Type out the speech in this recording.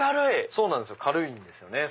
そうなんです軽いんですよね。